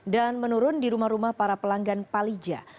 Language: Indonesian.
dan menurun di rumah rumah para pelanggan palija